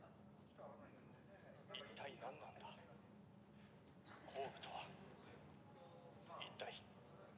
一体なんなんだ工具とは一体。